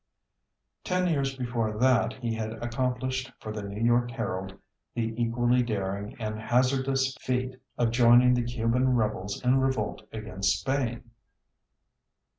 Ten years before that he had accomplished, for the New York Herald, the equally daring and hazardous feat of joining the Cuban rebels in revolt against Spain.